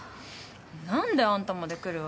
何であんたまで来るわけ？